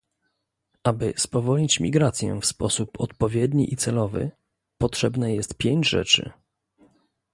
Aby spowolnić migrację w sposób odpowiedni i celowy, potrzebne jest pięć rzeczy